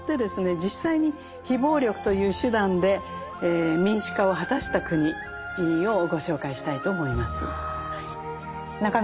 実際に非暴力という手段で民主化を果たした国をご紹介したいと思います。